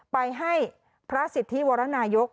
ไปให้พระสิทธิวรนายก